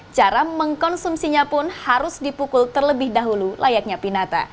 cara mengkonsumsinya pun harus dipukul terlebih dahulu layaknya pinata